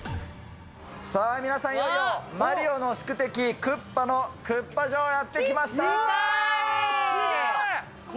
さあ皆さん、いよいよマリオの宿敵、クッパのクッパ城にやって来ました。